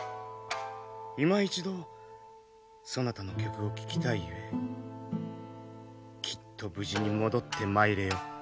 いま一度そなたの曲を聴きたいゆえきっと無事に戻ってまいれよ。